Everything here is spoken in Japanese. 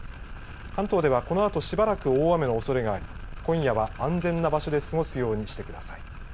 関東ではこのあとしばらく大雨のおそれがあり今夜は安全な場所で過ごすようにしてください。